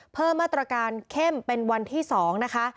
เพิ่มมาตรการเข้มเป็นวันที่๒นะคะ